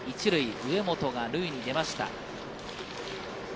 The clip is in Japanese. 上本が塁に出ました。